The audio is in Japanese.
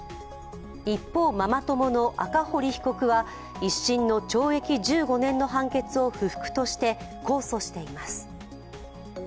一方、ママ友の赤堀被告は一審の懲役１５年の判決を不服として控訴しています。